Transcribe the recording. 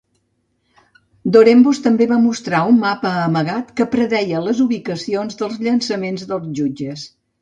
Dorenbos també va mostrar un mapa amagat que predeia les ubicacions dels llançaments dels jutges.